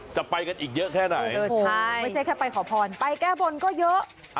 จะไปกันอีกเยอะแค่ไหนไม่ใช่แค่ไปขอพรไปแก้บนก็เยอะ